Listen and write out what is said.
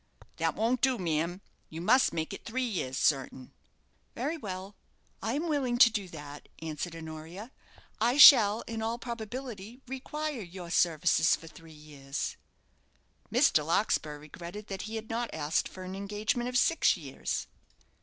"That won't do, ma'am; you must make it three years, certain." "Very well; I am willing to do that," answered Honoria. "I shall, in all probability, require your services for three years." Mr. Larkspur regretted that he had not asked for an engagement of six years.